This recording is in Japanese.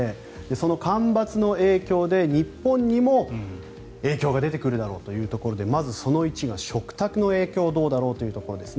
その干ばつの影響で日本にも影響が出てくるだろうというところでまず、その１が食卓の影響どうだろうというところ。